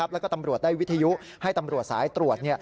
แล้วก็ตำรวจได้วิทยุให้ตำรวจสายตรวจ